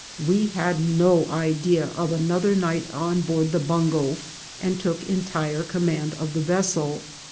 We had no idea of another night on board the bungo, and took entire command of the vessel.